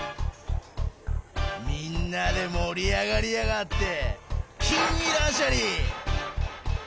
みんなでもりあがりやがってきにいらんシャリ！